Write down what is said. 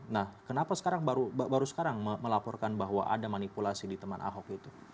nah kenapa baru sekarang melaporkan bahwa ada manipulasi di teman ahok itu